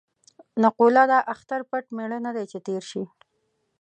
نقوله ده: اختر پټ مېړه نه دی چې تېر شي.